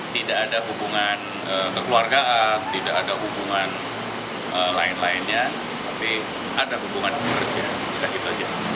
tidak ada hubungan kekeluargaan tidak ada hubungan lain lainnya tapi ada hubungan kerja sudah gitu aja